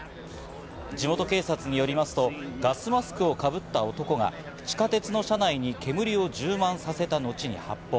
地元警察によりますとガスマスクをかぶった男が地下鉄の車内に煙を充満させた後に発砲。